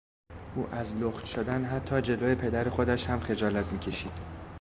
او از لخت شدن حتی جلو پدر خودش هم خجالت می کشید.